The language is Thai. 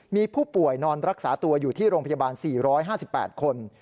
มีผู้ป่วยนอนรักษาตัวอยู่ที่โรงพยาบาล๔๕๘คน